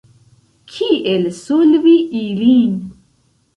Kiel solvi ilin?